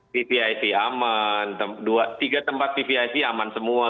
vvip aman tiga tempat pvic aman semua